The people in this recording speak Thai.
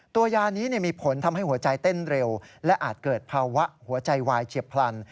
ตัวยานี้มีผลทำให้หัวใจเต้นเร็วและอาจเกิดภาวะหัวใจวายเฉียบพลัน